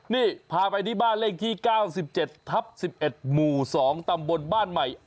นี่พาไปที่บ้านเลขที่๙๗ทับ๑๑หมู่๒ตำบลบ้านใหม่